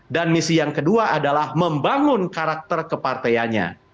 dan misi yang kedua adalah membangun karakter kepartainya